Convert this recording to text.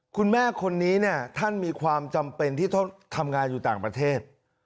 คุณแม่คนนี้เนี่ยท่านมีความจำเป็นที่ทำงานอยู่ต่างประเทศ